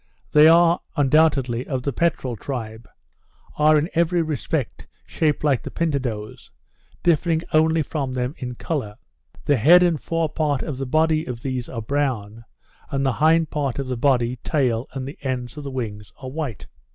They are, undoubtedly, of the peterel tribe; are in every respect shaped like the pintadoes, differing only from them in colour. The head and fore part of the body of these are brown; and the hind part of the body, tail, and the ends of the wings, are white.